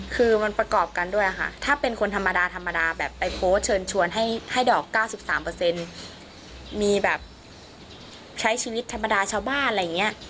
คือมันประกอบกันด้วยค่ะถ้าเป็นคนธรรมดาธรรมดาแบบไปโพสต์เชิญชวนให้ดอก๙๓มีแบบใช้ชีวิตธรรมดาชาวบ้านอะไรอย่างนี้